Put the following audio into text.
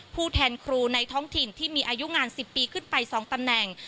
ผู้แทนครูในท้องถิ่นที่มีอายุงาน๑๐ปีขึ้นไป๒ตำแหน่ง